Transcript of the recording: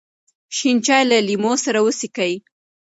شین چای له لیمو سره وڅښئ.